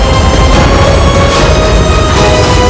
aku akan menangkapmu